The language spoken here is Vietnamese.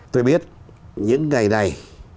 tôi biết những ngày này